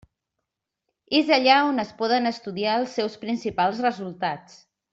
És allà on es poden estudiar els seus principals resultats.